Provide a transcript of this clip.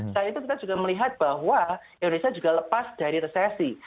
selain itu kita juga melihat bahwa indonesia juga lepas dari resesi